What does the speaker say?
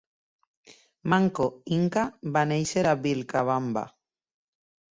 Manco Inca va néixer a Vilcabamba.